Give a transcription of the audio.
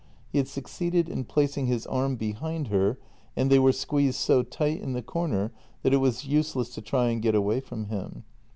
He had succeeded in placing his arm behind her and they were squeezed so tight in the corner that it was useless to try and get away from him.